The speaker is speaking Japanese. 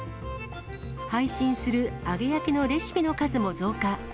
配信する揚げ焼きのレシピの数も増加。